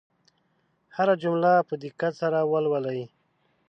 هره جمله په دقت سره لولئ.